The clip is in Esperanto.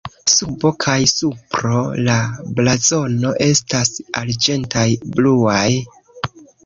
Subo kaj supro de la blazono estas arĝentaj-bluaj.